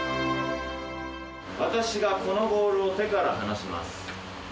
私がこのボールを手から離します。